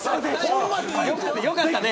よかったね。